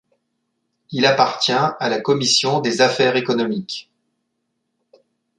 Il appartient à la commission des affaires économiques.